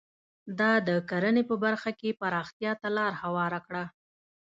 دا د کرنې په برخه کې پراختیا ته لار هواره کړه.